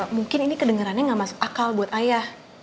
mungkin ini kedengerannya nggak masuk akal buat ayah